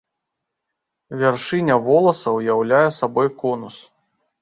Вяршыня воласа ўяўляе сабой конус.